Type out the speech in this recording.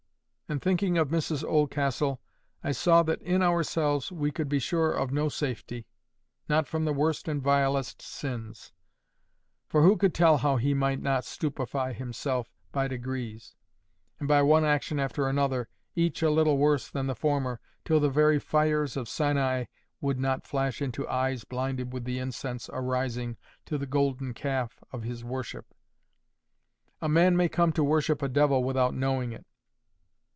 And thinking of Mrs Oldcastle, I saw that in ourselves we could be sure of no safety, not from the worst and vilest sins; for who could tell how he might not stupify himself by degrees, and by one action after another, each a little worse than the former, till the very fires of Sinai would not flash into eyes blinded with the incense arising to the golden calf of his worship? A man may come to worship a devil without knowing it.